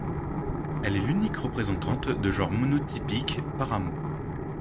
Elle est l'unique représentante de genre monotypique Paramo.